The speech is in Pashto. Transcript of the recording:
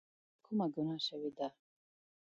له مانه کومه ګناه شوي ده